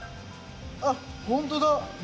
あっ本当だ！